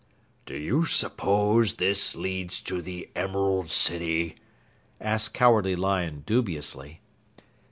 "Do you 'spose this leads to the Emerald City?" asked Cowardly Lion dubiously.